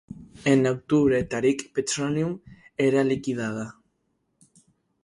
En octubre, Tarik Petroleum era liquidada.